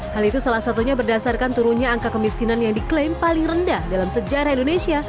hal itu salah satunya berdasarkan turunnya angka kemiskinan yang diklaim paling rendah dalam sejarah indonesia